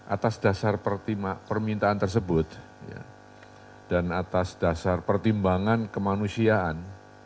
atas dasar permintaan tersebut dan atas dasar pertimbangan kemanusiaan